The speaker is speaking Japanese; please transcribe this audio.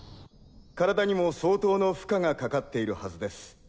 体にも相当の負荷がかかっているはずです。